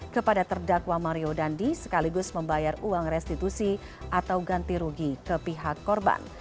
kepada terdakwa mario dandi sekaligus membayar uang restitusi atau ganti rugi ke pihak korban